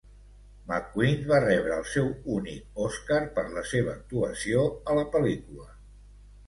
McQueen va rebre el seu únic Oscar per la seva actuació a la pel·lícula.